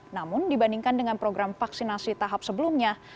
namun dibandingkan dengan program vaksinasi tahap sebelumnya